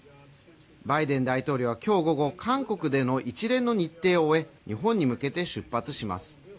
バイデン大統領は今日午後、韓国での一連の日程を終え日本に向けて出発します。